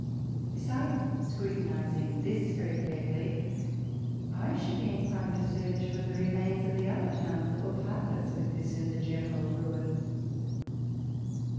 Besides scru tinising this very carefully, I should be inclined to search for the remains of the other towns that were partners with this in the general ruin.